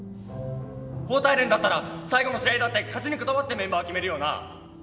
高体連だったら最後の試合だって勝ちにこだわってメンバー決めるよな。